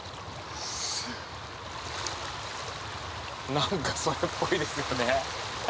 何かそれっぽいですよね。